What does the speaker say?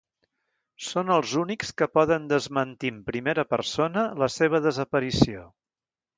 Són els únics que poden desmentir en primera persona la seva desaparició.